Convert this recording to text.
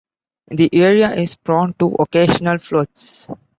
The area is prone to occasional floods.